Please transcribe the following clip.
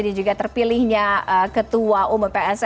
juga terpilihnya ketua umum pssi